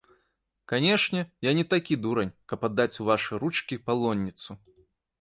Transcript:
Канешне, я не такі дурань, каб аддаць у вашы ручкі палонніцу.